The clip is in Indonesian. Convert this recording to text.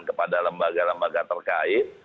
kepada lembaga lembaga terkait